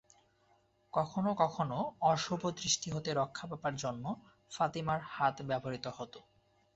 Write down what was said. কখনও কখনও অশুভ দৃষ্টি হতে রক্ষা পাবার জন্য ফাতিমার হাত ব্যবহৃত হতো।